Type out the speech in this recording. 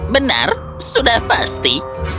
benar sudah pasti